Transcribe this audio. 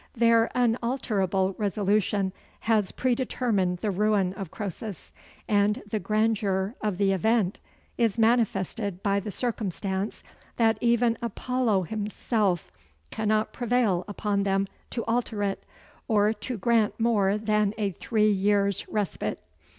Their unalterable resolution has predetermined the ruin of Croesus, and the grandeur of the event is manifested by the circumstance that even Apollo himself cannot prevail upon them to alter it, or to grant more than a three years' respite.